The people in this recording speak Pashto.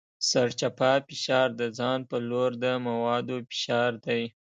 سرچپه فشار د ځان په لور د موادو فشار دی.